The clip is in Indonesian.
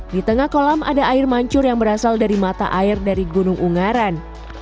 di tengah kolam ada air mancur yang berasal dari mata air dari gunung ungaran